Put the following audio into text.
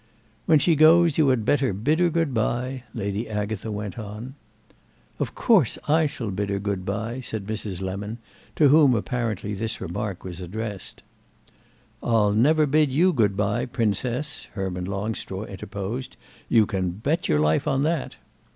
"When she goes you had better bid her good bye," Lady Agatha went on. "Of course I shall bid her good bye," said Mrs. Lemon, to whom apparently this remark was addressed. "I'll never bid you good bye, Princess," Herman Longstraw interposed. "You can bet your life on that."